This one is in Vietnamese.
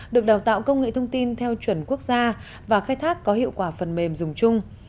được đào tạo công nghệ thông tin theo chuẩn quốc gia và khai thác có hiệu quả phần mềm dùng chung